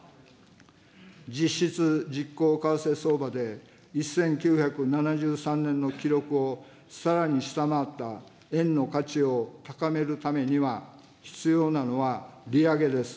実質実効為替相場で、１９７３年の記録をさらに下回った円の価値を高めるためには、必要なのは、利上げです。